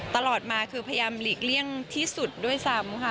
ตลอดมาคือพยายามหลีกเลี่ยงที่สุดด้วยซ้ำค่ะ